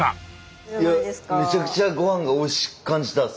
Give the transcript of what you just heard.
いやめちゃくちゃごはんがおいしく感じた。